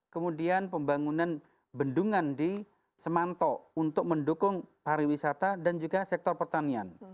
kemudian pembangunan bendungan di semantau untuk mendukung pariwisata dan juga sektor pertanian